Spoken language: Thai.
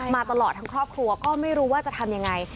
มาตลอดทั้งครอบครัวก็ไม่รู้ว่าจะทำยังไง